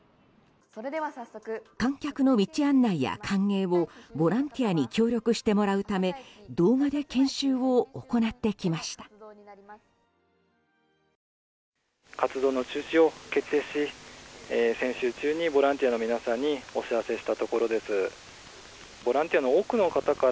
観客の道案内や歓迎をボランティアに協力してもらうため動画で研修を行ってきました。